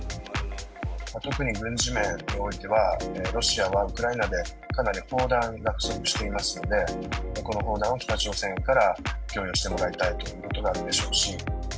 特に軍事面においては、ロシアはウクライナでかなり砲弾が不足していますので、この砲弾を北朝鮮から供与してもらいたいということなんでしょう